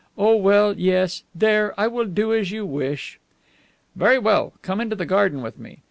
Oh, well, yes. There, I will do as you wish." "Very well, come into the garden with me."